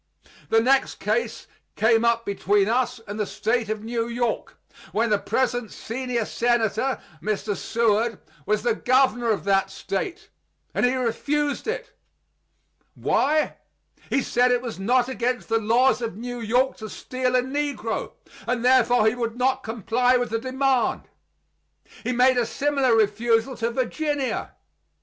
The next case came up between us and the State of New York, when the present senior senator [Mr. Seward] was the governor of that State; and he refused it. Why? He said it was not against the laws of New York to steal a negro, and therefore he would not comply with the demand. He made a similar refusal to Virginia.